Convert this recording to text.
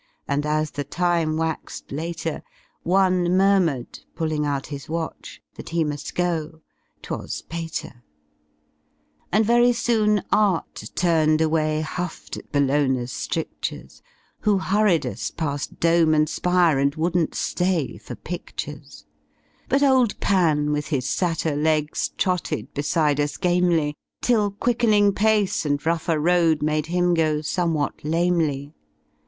And as the time zuaxed later. One murmured, pulling out his watch^ That he mu§i go — 'twas Pater, And very soon Art turned away Huffed at Bellona^s ftriclures, Who hurried us pail dome and spire And wouldnU Slay for pidures. But old Pan with his satyr legs Trotted beside us gamely. Till quickening pace and rougher road Made him go somewhat lamely.